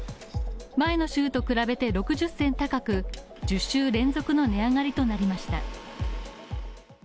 前の週と比べて６０銭高く１０週連続の値上がりとなりました。